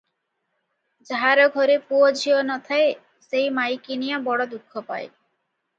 ଯାହାର ଘରେ ପୁଅ ଝିଅ ନ ଥାଏ, ସେଇ ମାଇକିନିଆ ବଡ଼ ଦୁଃଖ ପାଏ ।"